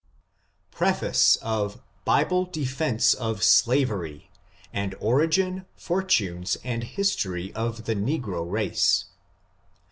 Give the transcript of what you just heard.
I BIBLE DEFENCE OF SLAVERY; ASD ORIGIN FORTUNES, AND HISTORY OF THE NEGRO RACE.